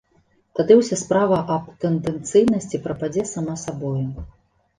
Тады ўся справа аб тэндэнцыйнасці прападзе сама сабою.